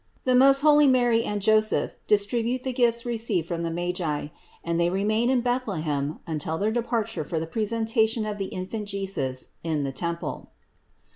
MOST HOLY MARY AND JOSEPH DISTRIBUTE THE GIFTS RECEIVED FROM THE MAGI; AND THEY REMAIN IN BETHLEHEM UNTIL THEIR DEPARTURE FOR THE PRESENTATION OF THE INFANT JESUS IN THE TEMPLE.